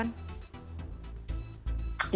bagaimana perkembangan di indonesia